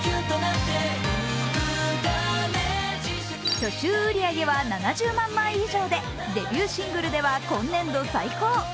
初週売り上げは７０万枚以上でデビューシングルでは今年度最高。